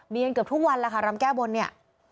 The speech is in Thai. เกือบทุกวันแล้วค่ะรำแก้บนเนี่ย